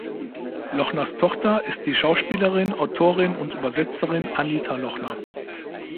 Lochners Tochter ist die Schauspielerin, Autorin und Übersetzerin Anita Lochner.